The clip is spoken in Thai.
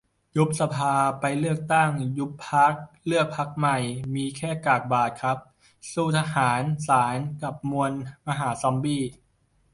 ยุบสภา ไปเลือกตั้ง. ยุบพรรค เลือกพรรคเกิดใหม่. มีแค่กากบาทครับ สู้ทหาร ศาล กับมวลมหาซอมบี้